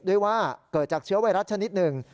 ด้วยว่าเกิดจากเชื้อไวรัสชนิดหนึ่ง